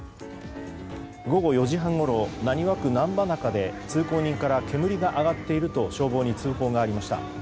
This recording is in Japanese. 午後４時半ごろ浪速区難波中で通行人から、煙が上がっていると消防に通報がありました。